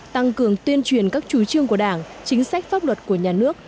tăng cường tuyên truyền các chủ trương của đảng chính sách pháp luật của nhà nước